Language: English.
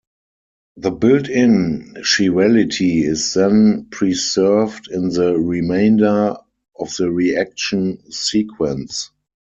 The built-in chirality is then preserved in the remainder of the reaction sequence.